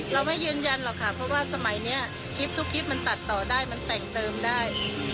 เราไม่ยืนยันหรอกค่ะเพราะว่าสมัยนี้คลิปทุกคลิปมันตัดต่อได้มันแต่งเติมได้